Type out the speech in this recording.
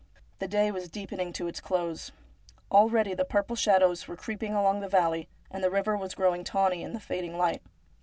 The day was deepening to its close. Already the purple shadows were creeping along the valley, and the river was growing tawny in the fading light.